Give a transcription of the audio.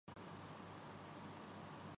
یہاں موجود نہیں۔